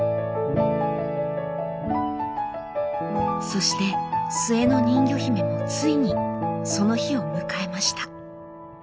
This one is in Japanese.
そして末の人魚姫もついにその日を迎えました。